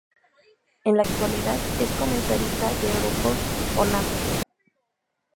En la actualidad es comentarista de Eurosport Holanda.